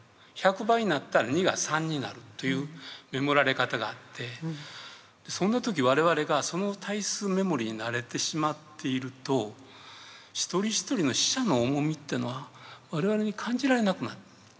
１００倍になったら２が３になるという目盛られ方があってそんな時我々がその対数目盛に慣れてしまっていると一人一人の死者の重みっていうのは我々に感じられなくなる。